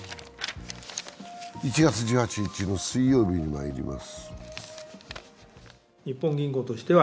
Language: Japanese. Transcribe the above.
１月１８日の水曜日にまいります。